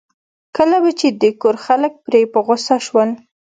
کله به چې د کور خلک پرې په غوسه شول.